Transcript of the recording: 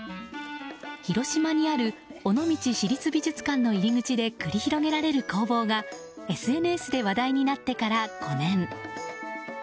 広島にある尾道市立美術館の入り口で繰り広げられる攻防がＳＮＳで話題になってから５年。